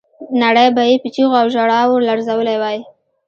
نړۍ به یې په چیغو او ژړاو لړزولې وای.